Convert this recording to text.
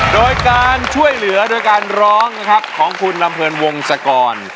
โดยการช่วยเหลือโดยการร้องนะครับของคุณลำเพลินวงศกร